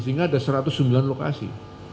sehingga ada satu ratus sembilan lokasi